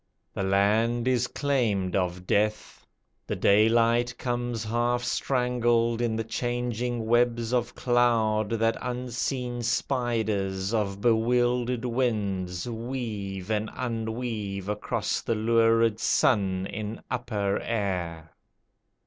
The land is claimed of Death: the daylight comes Half strangled in the changing webs of cloud That unseen spiders of bewildered winds Weave and unweave across the lurid sun In upper air.